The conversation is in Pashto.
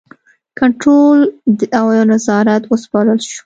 کنټرول او نظارت وسپارل شو.